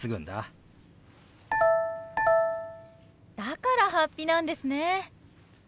だから法被なんですね！